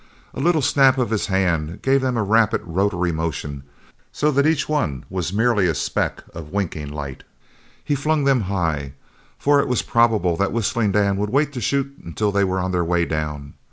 A little snap of his hand gave them a rapid rotary motion so that each one was merely a speck of winking light. He flung them high, for it was probable that Whistling Dan would wait to shoot until they were on the way down.